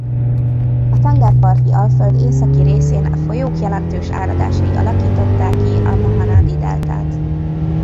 A tengerparti alföld északi részén e folyók jelentős áradásai alakították ki a Mahanadi-deltát.